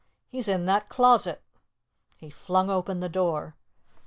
He's in that closet." He flung open the door.